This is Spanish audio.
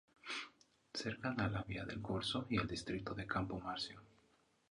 Cercana a la Via del Corso y el distrito de Campo Marzio.